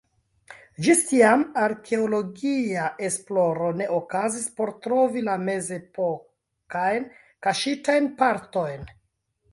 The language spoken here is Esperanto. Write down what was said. Ĝis tiam arkeologia esploro ne okazis por trovi la mezepokajn kaŝitajn partojn.